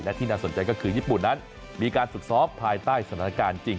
และที่น่าสนใจก็คือญี่ปุ่นนั้นมีการฝึกซ้อมภายใต้สถานการณ์จริง